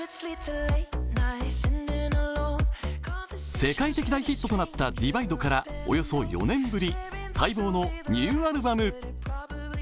世界的なヒットとなった「÷」からおよそ４年ぶり、待望のニューアルバム。